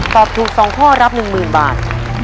ตอบถูก๒ข้อรับ๑๐๐๐บาท